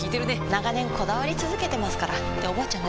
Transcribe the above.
長年こだわり続けてますからっておばあちゃん